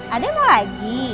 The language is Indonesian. ada yang mau lagi